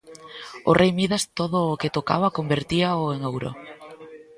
O rei Midas todo o que tocaba convertíao en ouro.